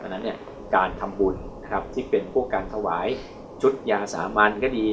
เพราะฉะนั้นเนี่ยการทำบุญนะครับที่เป็นพวกการถวายชุดยาสามัญก็ดี